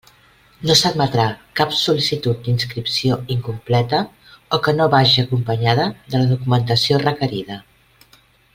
No s'admetrà cap sol·licitud d'inscripció incompleta o que no vagi acompanyada de la documentació requerida.